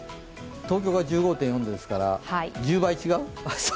東京が１４．５度ですから１０倍違う？